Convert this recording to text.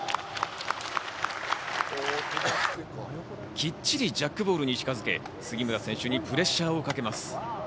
きっちりジャックボールに近づけ、杉村選手にプレッシャーをかけます。